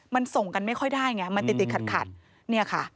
มันส่งกันไม่ค่อยได้ไงมันติดติดขัดเนี่ยค่ะ